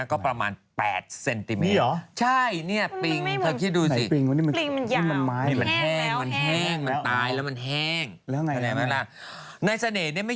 ก็ประมาณ๘เซนติเมตร